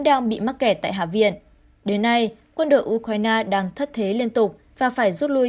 đang bị mắc kẹt tại hạ viện đến nay quân đội ukraine đang thất thế liên tục và phải rút lui